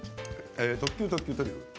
「特級特急トリュフ」